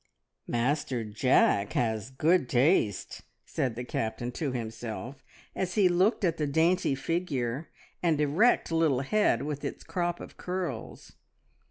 "Master Jack has good taste!" said the Captain to himself as he looked at the dainty figure and erect little head with its crop of curls.